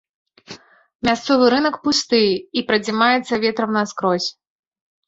Мясцовы рынак пусты і прадзімаецца ветрам наскрозь.